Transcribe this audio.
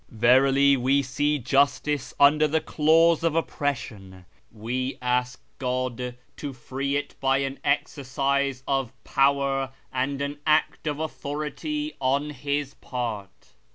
Verily toe see justice under the claivs of oppression: We ask God to free it hy an exercise of potver and an act of authority on His part.